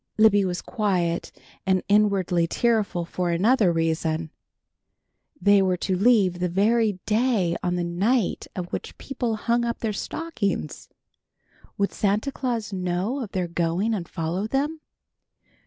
Libby was quiet and inwardly tearful for another reason. They were to leave the very day on the night of which people hung up their stockings. Would Santa Claus know of their going and follow them?